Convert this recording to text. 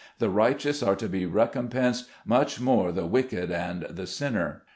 the righteous are to be recompensed, much more the wicked and the sinner.